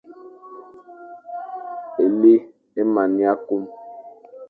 Éli é mana kum.